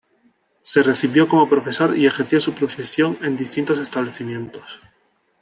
Se recibió como profesor y ejerció su profesión en distintos establecimientos.